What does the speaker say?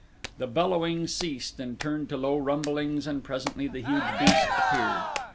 The bellowing ceased and turned to low rumblings and presently the huge beast appeared.